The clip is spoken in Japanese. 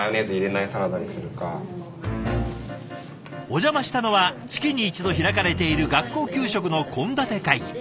お邪魔したのは月に一度開かれている学校給食の献立会議。